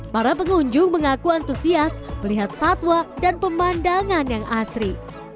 para pengunjung mengaku antusias melihat satwa dan pemandangan yang asri